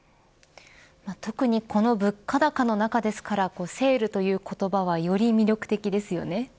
特に、この物価高の中ですからセールという言葉はより魅力的ですよね。